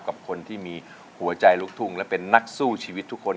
กับคนที่มีหัวใจลุกทุ่งและเป็นนักสู้ชีวิตทุกคน